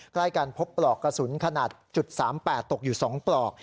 ใกล้กันพบปลอกกระสุนขนาด๓๘ตกอยู่๒ปลอก